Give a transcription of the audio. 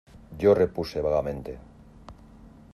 yo repuse vagamente: